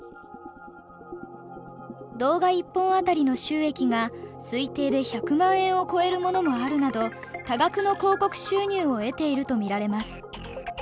動画１本当たりの収益が推定で１００万円を超えるものもあるなど多額の広告収入を得ていると見られます。